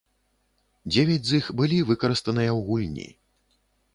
Дзевяць з іх былі выкарыстаныя ў гульні.